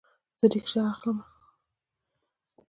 زه ریکشه اخلمه